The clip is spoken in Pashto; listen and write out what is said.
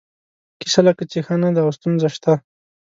کیسه لکه چې ښه نه ده او ستونزه شته.